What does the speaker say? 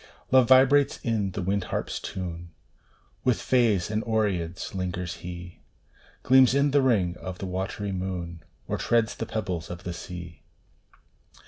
Love vibrates in the wind harp s tune With fays and oreads lingers he Gleams in th ring of the watery moon, Or treads the pebbles of the sea.